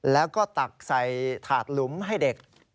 แล้วก็ตักใส่ถาดหลุมให้เด็ก